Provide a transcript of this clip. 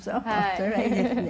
それはいいですね。